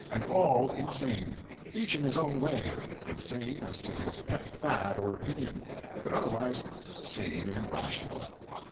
And all insane; each in his own way; insane as to his pet fad or opinion, but otherwise sane and rational.